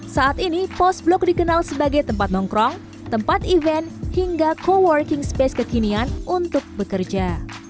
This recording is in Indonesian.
saat ini post blok dikenal sebagai tempat nongkrong tempat event hingga co working space kekinian untuk bekerja